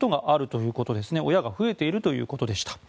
そういう親が増えているということでした。